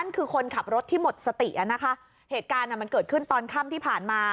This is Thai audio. คือคนขับรถที่หมดสติอ่ะนะคะเหตุการณ์อ่ะมันเกิดขึ้นตอนค่ำที่ผ่านมา